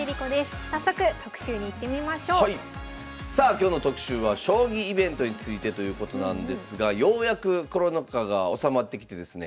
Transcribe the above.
さあ今日の特集は将棋イベントについてということなんですがようやくコロナ禍が収まってきてですね